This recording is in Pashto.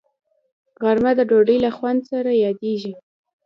غرمه د ډوډۍ له خوند سره یادیږي